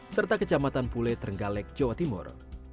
serta kecamatan pule trenggalek jawa timur